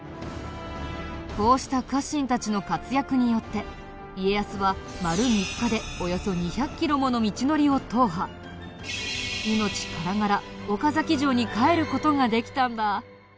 こうした家臣たちの活躍によって家康は命からがら岡崎城に帰る事ができたんだ。